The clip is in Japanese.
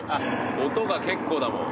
音が結構だもん。